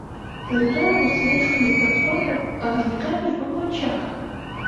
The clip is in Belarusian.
Зайграла ўсмешкамі па тварах, аганькамі ў вачах.